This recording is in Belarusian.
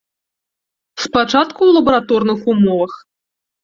Спачатку ў лабараторных умовах.